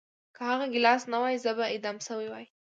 که هغه ګیلاس نه وای زه به اعدام شوی وای